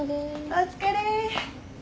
お疲れ。